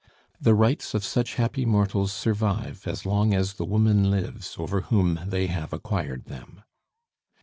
The rights of such happy mortals survive as long as the woman lives over whom they have acquired them.